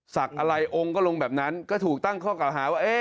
อะไรองค์ก็ลงแบบนั้นก็ถูกตั้งข้อเก่าหาว่า